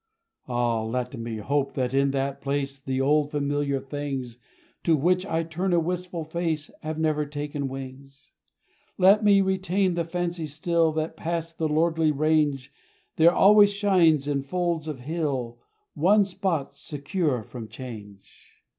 Ah! let me hope that in that place The old familiar things To which I turn a wistful face Have never taken wings. Let me retain the fancy still That, past the lordly range, There always shines, in folds of hill, One spot secure from change!